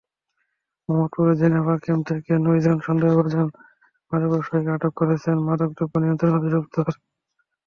মোহাম্মদপুরে Geneva camp থেকে নয়জন সন্দেহভাজন মাদক ব্যবসায়ীকে আটক করেছে মাদকদ্রব্য নিয়ন্ত্রণ অধিদপ্তর।